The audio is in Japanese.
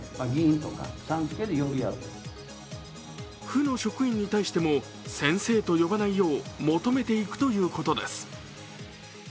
府の職員に対しても先生と呼ばないよう求めていくということです。